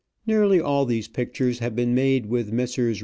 Nearly all these pictures have been made with Messrs.